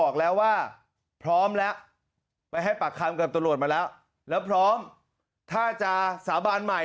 ข้า